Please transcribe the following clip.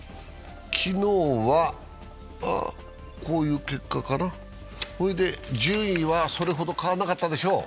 昨日はこういう結果かな、順位はそれほど変わらなかったでしょう。